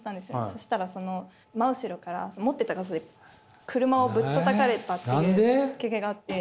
そしたらその真後ろから持ってた傘で車をぶったたかれたっていう経験があって。